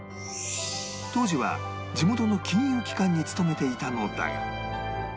当時は地元の金融機関に勤めていたのだが